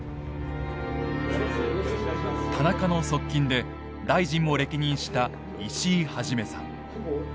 田中の側近で大臣も歴任した石井一さん。